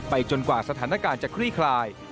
จนกว่าสถานการณ์จะคลี่คลาย